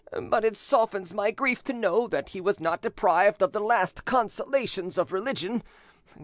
But it softens my grief to know that he was not deprived of the last consolations of religion!